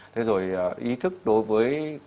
thế rồi ý thức đối với cộng đồng của chúng ta